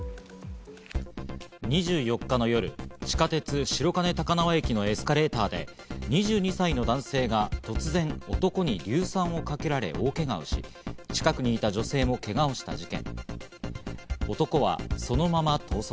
２４日の夜、地下鉄・白金高輪駅のエスカレーターで２２歳の男性が突然、男に硫酸をかけられ大けがをし、近くにいた女性もけがをした事件。